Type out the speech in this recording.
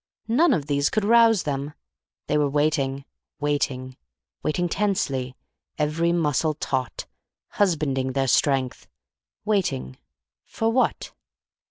None of these could rouse them. They were waiting. Waiting. Waiting tensely. Every muscle taut. Husbanding their strength. Waiting. For what?